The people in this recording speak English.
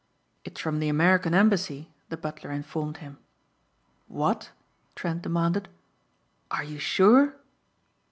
"It's from the American Embassy," the butler informed him. "What?" Trent demanded. "Are you sure?"